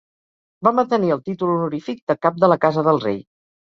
Va mantenir el títol honorífic de Cap de la Casa del Rei.